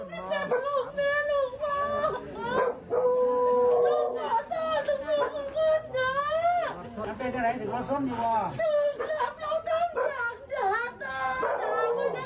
มูดามูดาไม่รู้ต้องกลับกันสุดท้ายต้องกด